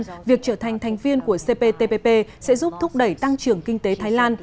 người trở thành thành viên của cptpp sẽ giúp thúc đẩy tăng trưởng kinh tế thái lan